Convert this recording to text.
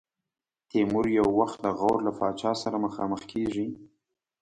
تیمور یو وخت د غور له پاچا سره مخامخ کېږي.